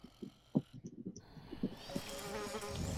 广告也太多了吧